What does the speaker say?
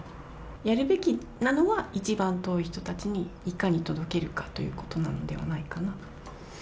やるべきなのは、一番遠い人たちにいかに届けるかということではないかなと。